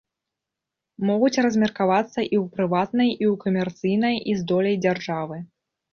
Могуць размеркавацца і ў прыватныя, і ў камерцыйныя, і з доляй дзяржавы.